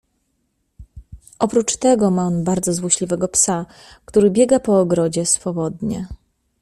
"Oprócz tego ma on bardzo złośliwego psa, który biega po ogrodzie swobodnie."